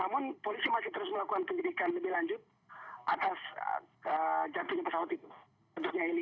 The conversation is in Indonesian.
namun polisi masih terus melakukan penyelidikan lebih lanjut atas jatuhnya pesawat itu tentunya ini